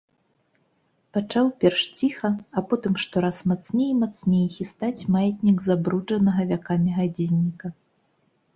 Пачаў перш ціха, а потым штораз мацней і мацней хістаць маятнік забруджанага вякамі гадзінніка.